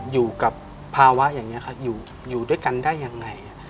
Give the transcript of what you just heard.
อยู่กับภาวะอย่างนี้ครับอยู่ด้วยกันได้ยังไง